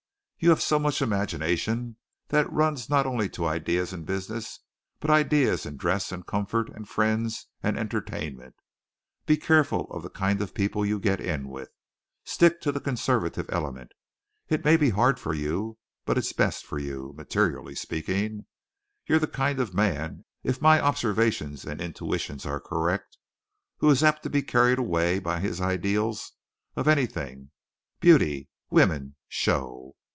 You have so much imagination that it runs not only to ideas in business, but ideas in dress and comfort and friends and entertainment. Be careful of the kind of people you get in with. Stick to the conservative element. It may be hard for you, but it's best for you, materially speaking. You're the kind of man, if my observations and intuitions are correct, who is apt to be carried away by his ideals of anything beauty, women, show.